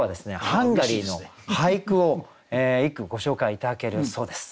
ハンガリーの俳句を一句ご紹介頂けるそうです。